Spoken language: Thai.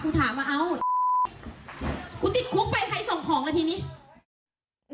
ถามว่าเอ้ากูติดคุกไปใครส่งของแล้วทีนี้